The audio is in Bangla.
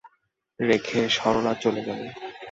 রেখে সরলা চলে গেল।